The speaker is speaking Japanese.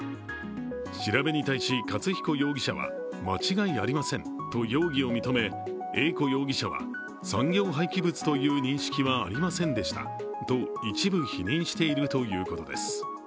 調べに対し勝彦容疑者は間違いありませんと容疑を認め英子容疑者は、産業廃棄物という認識はありませんでしたと一部否認しているということです。